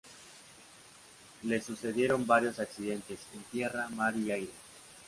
Le sucedieron varios accidentes, en tierra, mar, y aire.